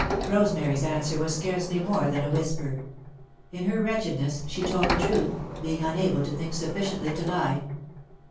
Rosemary's answer was scarcely more than a whisper. In her wretchedness, she told the truth, being unable to think sufficiently to lie.